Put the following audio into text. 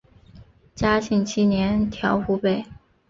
嘉庆七年调湖北。